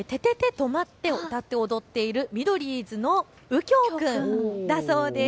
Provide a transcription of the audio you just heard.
とまって！を歌って踊っているミドリーズのうきょうくんだそうです。